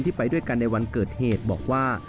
ไปด้วยกันในวันเกิดเหตุบอกว่า